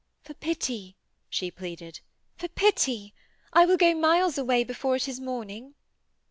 'For pity!' she pleaded. 'For pity! I will go miles away before it is morning.'